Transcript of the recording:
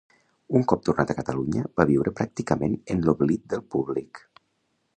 Un cop tornat a Catalunya, va viure pràcticament en l'oblit del públic.